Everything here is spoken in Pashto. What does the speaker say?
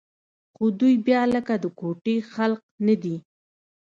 خو دوى بيا لکه د کوټې خلق نه دي.